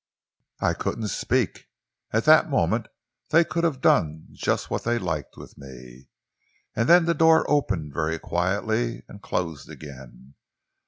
"I couldn't speak. At that moment they could have done just what they liked with me. And then the door opened very quietly and closed again.